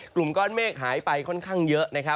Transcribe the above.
กลุ่มก้อนเมฆหายไปค่อนข้างเยอะนะครับ